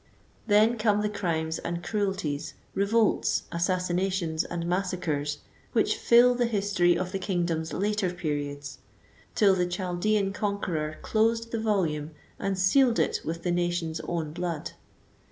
Then come the crimes and cruelties, revolts, assassinations and massacres which fill the history of the kingdom's later periods, till the Chaldean conqueror closed the volume and sealed it with the nation's own blood.